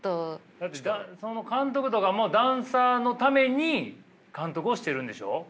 だってその監督とかもダンサーのために監督をしてるんでしょう？